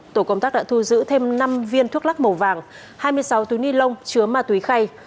tổ công tác đã thu giữ thêm năm viên thuốc lắc màu vàng hai mươi sáu túi ni lông chứa ma túy khay